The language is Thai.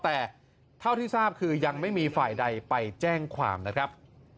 แต่เท่าที่ทราบคือยังไม่มีฝ่ายใดไปแจ้งความนะครับ